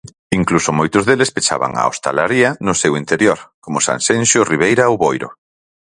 Incluso moitos deles pechaban a hostalaría no seu interior, como Sanxenxo, Ribeira ou Boiro.